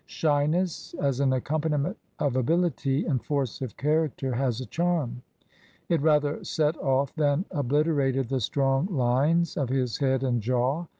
Shyness as an accompaniment of ability and force of character has a charm, it rather set off than obliterated the strong lines of his head and jaw.